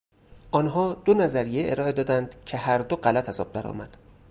آنها دو نظریه ارائه دادند که هر دو غلط از آب درآمد.